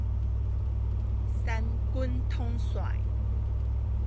三軍統帥